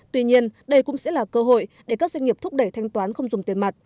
tuy nhiên đây cũng sẽ là cơ hội để các doanh nghiệp thúc đẩy thanh toán không dùng tiền mặt